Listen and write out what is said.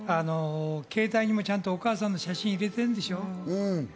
携帯にもちゃんとお母さんの写真、入れてるんでしょ。